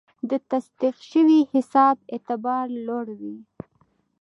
د تصدیق شوي حساب اعتبار لوړ وي.